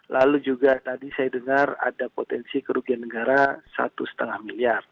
lalu juga tadi saya dengar ada potensi kerugian negara satu lima miliar